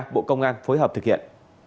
bộ công an phối hợp thực hiện